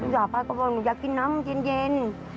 หลับป้าก็บอกหนูอยากกินน้ำเย็น